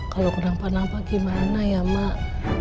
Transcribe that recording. kalo kenang kenang gimana ya mak